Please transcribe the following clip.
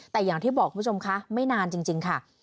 แต่อย่างที่บอกคุณผู้ชมคะไม่นานจริงค่ะ